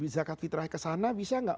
zakat fitrahnya kesana bisa nggak